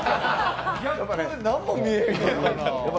逆光で何も見えへんかった。